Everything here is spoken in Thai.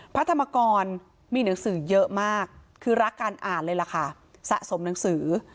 พระธรรมกรมีหนังสือเยอะมากคือรักการอ่านเลยล่ะค่ะสะสมหนังสือ